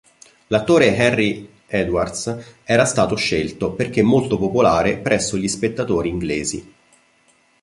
L'attore Henry Edwards era stato scelto perché molto popolare presso gli spettatori inglesi.